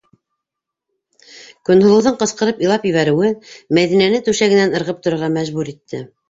- Көнһылыуҙың ҡысҡырып илап ебәреүе Мәҙинәне түшәгенән ырғып торорға мәжбүр итте.